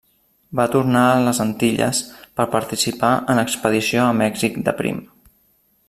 Va tornar a les Antilles, per participar en l'expedició a Mèxic de Prim.